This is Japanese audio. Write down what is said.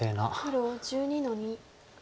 黒１２の二。